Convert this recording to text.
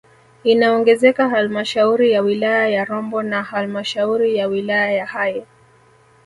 Inaongezeka halmashauri ya wilaya ya Rombo na halmashauri ya wilaya ya Hai